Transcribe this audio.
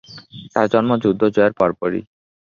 তার জন্ম যুদ্ধ জয়ের পরপরই।